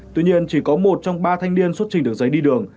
tuy nhiên chỉ có một trong ba thanh niên xuất trình được giấy đi đường